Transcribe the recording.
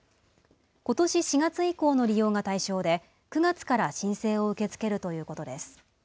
ことし４月以降の利用が対象で、９月から申請を受け付けるということです。